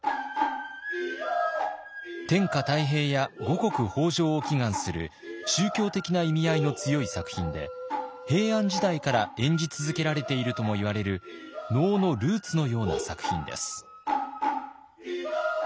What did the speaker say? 天下太平や五穀豊穣を祈願する宗教的な意味合いの強い作品で平安時代から演じ続けられているともいわれる能のルーツのような作品です。